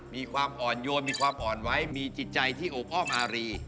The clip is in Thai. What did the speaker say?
มีความอ่อนโยนมีความอ่อนไว้มีจิตใจที่โอพ่ออารี